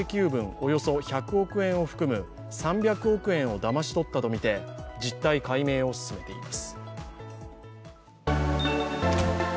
およそ１００億円を含む３００億円をだまし取ったとみて実態解明を進めています。